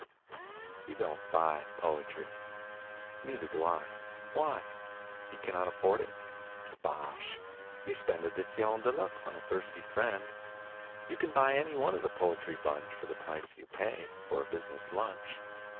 You don't buy poetry. (Neither do I.) Why? You cannot afford it? Bosh! you spend Editions de luxe on a thirsty friend. You can buy any one of the poetry bunch For the price you pay for a business lunch.